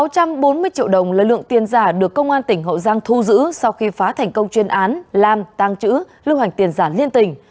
sáu trăm bốn mươi triệu đồng là lượng tiền giả được công an tỉnh hậu giang thu giữ sau khi phá thành công chuyên án làm tăng trữ lưu hành tiền giả liên tỉnh